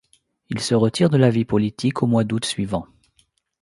Il se retire de la vie politique au mois d'août suivant.